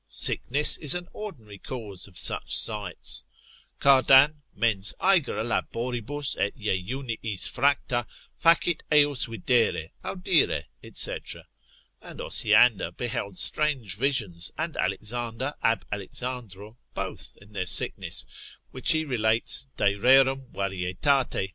Sickness is an ordinary cause of such sights. Cardan, subtil. 8. Mens aegra laboribus et jejuniis fracta, facit eos videre, audire, &c. And, Osiander beheld strange visions, and Alexander ab Alexandro both, in their sickness, which he relates de rerum varietat.